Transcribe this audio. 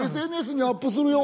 ＳＮＳにアップするよ。